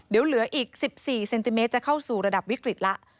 เดี๋ยวเหลืออีก๑๔เซนติเมตรจะเข้าสู่ระดับวิกฤตแล้ว